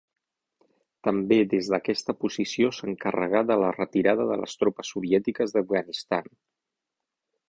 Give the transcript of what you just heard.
També des d'aquesta posició s'encarregà de la retirada de les tropes soviètiques d'Afganistan.